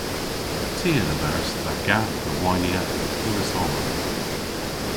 Ty a leveris dha gath dhe waynya an pewas owr.